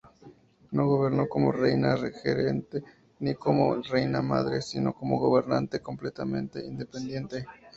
No gobernó como reina regente ni como reina madre sino como gobernante completamente independiente.